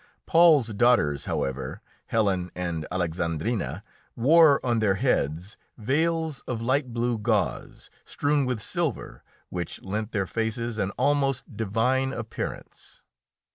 Paul's daughters, however, Helen and Alexandrina, wore on their heads veils of light blue gauze, strewn with silver, which lent their faces an almost divine appearance.